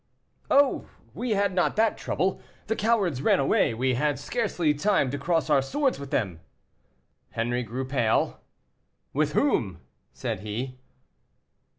"Oh! we had not that trouble; the cowards ran away, we had scarcely time to cross our swords with them." Henri grew pale. "With whom?" said he.